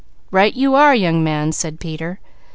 "Right you are, young man," said Peter.